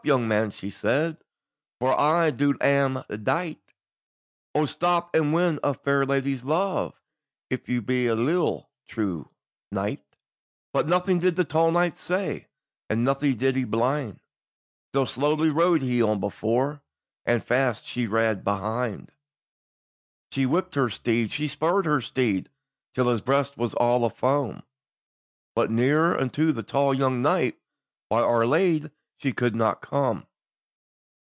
young man," she said; "For I in dule am dight; O stop, and win a fair lady's luve, If you be a leal true knight." But nothing did the tall knight say, And nothing did he blin; Still slowly ride he on before And fast she rade behind. She whipped her steed, she spurred her steed, Till his breast was all a foam; But nearer unto that tall young knight, By Our Ladye she could not come.